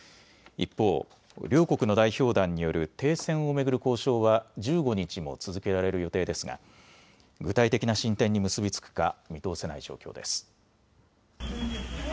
一方、両国の代表団による停戦を巡る交渉は１５日も続けられる予定ですが具体的な進展に結び付くか見通せない状況です。